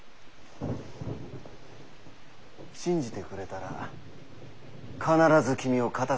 信じてくれたら必ず君を勝たせてやるよ。